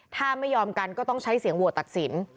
ถ้าไม่ยอมกันก็ต้องใช้เสียงโหวตตัดสิน